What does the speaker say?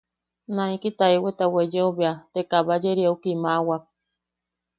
Naiki taewata weyeo bea, te Kabayeriau kimaʼawak.